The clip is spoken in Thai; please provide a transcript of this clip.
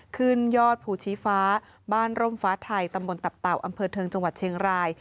ขึ้นยอดภูชีฟ้าบ้านร่มฟ้าไทยตำบลตับเต่าอำเภอเทิงจังหวัดเชียงราย